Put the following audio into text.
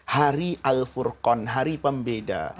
hari al furqan hari pembeda